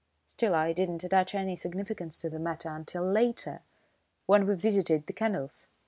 Still, I didn't attach any significance to the matter until later, when we visited the kennels.